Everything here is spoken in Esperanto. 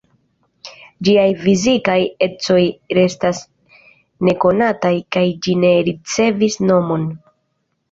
Ĝiaj fizikaj ecoj restas nekonataj, kaj ĝi ne ricevis nomon.